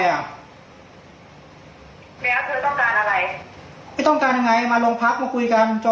แล้วเธอต้องการอะไรพี่ต้องการยังไงมาโรงพักมาคุยกันจน